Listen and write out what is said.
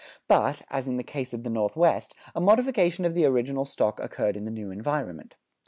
But, as in the case of the Northwest, a modification of the original stock occurred in the new environment.